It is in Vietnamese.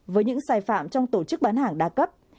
với những sai phạm trong tổ chức bán hàng đa cấp